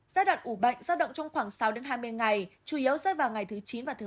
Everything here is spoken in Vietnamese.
giai đoạn ủ bệnh giao động trong khoảng sáu hai mươi ngày chủ yếu sẽ vào ngày thứ chín và thứ một mươi